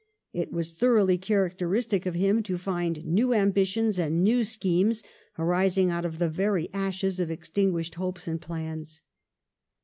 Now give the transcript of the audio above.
It was thoroughly characteristic of him to find new ambitions and new schemes arising out of the very ashes of extinguished hopes and plans.